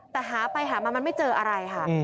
แต่หาไปหามามันไม่เจออะไรค่ะ